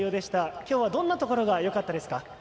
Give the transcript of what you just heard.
きょうはどんなところがよかったですか？